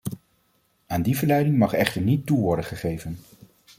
Aan die verleiding mag echter niet toe worden gegeven.